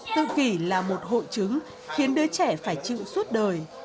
tự kỷ là một hội chứng khiến đứa trẻ phải chịu suốt đời